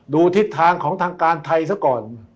ทิศทางของทางการไทยซะก่อน